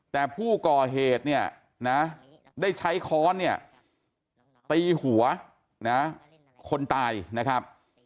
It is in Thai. แต่ผู้ก่อเหตุเนี่ยนะได้ใช้ค้อนเนี่ยตีหัวนะคนตายนะครับ